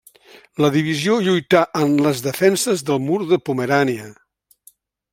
La Divisió lluità en les defenses del Mur de Pomerània.